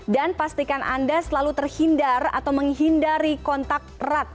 dan pastikan anda selalu terhindar atau menghindari kontak erat